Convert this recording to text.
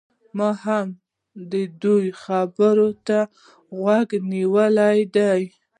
ما هم د ده و خبرو ته غوږ نيولی دی